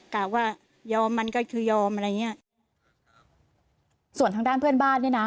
กล่าวว่ายอมมันก็คือยอมอะไรอย่างเงี้ยส่วนทางด้านเพื่อนบ้านเนี่ยนะ